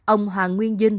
ông hoàng nguyễn